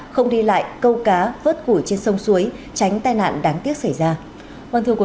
không đi lại câu cá vớt củi trên sông suối tránh tai nạn đáng tiếc xảy ra